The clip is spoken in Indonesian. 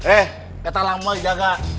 eh kata lama aja gak